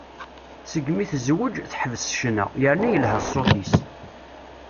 Segmi tezweǧ, teḥbes ccna, yerna yelha ṣṣut-is.